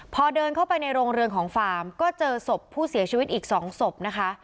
พอเดินเข้าไปในโรงเรือนของฟาร์มก็เจอศพผู้เสียชีวิตอีก๒ศพนะคะ